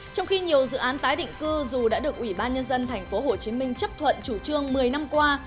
trong khi nhiều dự án tái định cư dù đã được ủy ban nhân dân tp hcm chấp thuận chủ trương một mươi năm qua